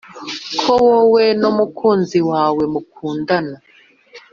ko wowe n’umukunzi wawe mukundana